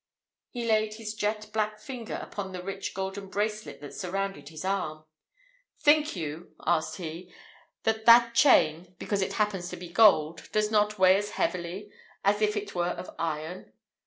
He laid his jet black finger upon the rich golden bracelet that surrounded his arm. "Think you," asked he, "that that chain, because it happens to be gold, does not weigh as heavily as if it were of iron?